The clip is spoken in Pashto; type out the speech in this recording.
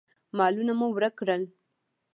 مالونه مو ورک کړل.